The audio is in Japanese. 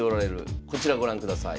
こちらご覧ください。